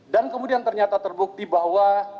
dan kemudian ternyata terbukti bahwa